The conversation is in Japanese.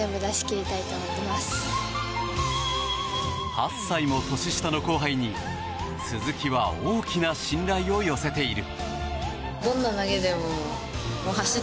８歳も年下の後輩に鈴木は大きな信頼を寄せている。